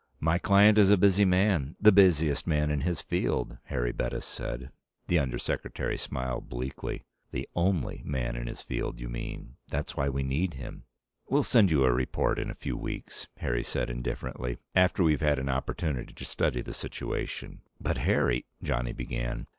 "My client is a busy man the busiest man in his field," Harry Bettis said. The Under Secretary smiled bleakly. "The only man in his field, you mean. That's why we need him." "We'll send you a report in a few weeks," Harry said indifferently, "after we've had an opportunity to study the situation." "But, Harry " Johnny began.